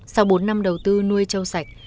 sau bốn năm đầu tư nuôi châu sạch